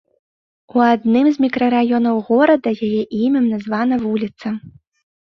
У адным з мікрараёнаў горада яе імем названа вуліца.